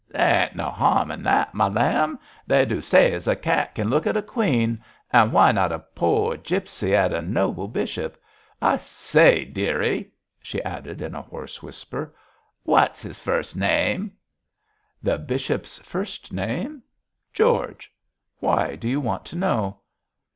'There ain't no harm in that, my lamb. They do say as a cat kin look at a queen; and why not a pore gipsy at a noble bishop? I say, dearie,' she added, in a hoarse whisper, 'what's his first name?' 'The bishop's first name? George. Why do you want to know?'